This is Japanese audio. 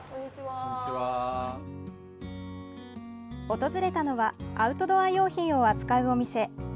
訪れたのはアウトドア用品を扱うお店。